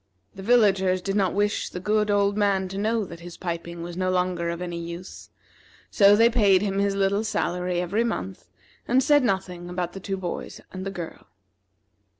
The villagers did not wish the good old man to know that his piping was no longer of any use, so they paid him his little salary every month, and said nothing about the two boys and the girl.